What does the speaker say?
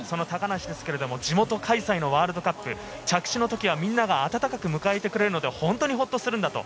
高梨は地元開催のワールドカップ、着地の時はみんなが温かく迎えてくれるので、本当にホッとする。